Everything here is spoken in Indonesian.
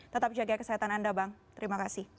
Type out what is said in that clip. tetap jaga kesehatan anda bang terima kasih